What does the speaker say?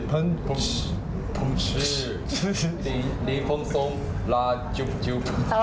คนต่อไปดีกว่าค่ะ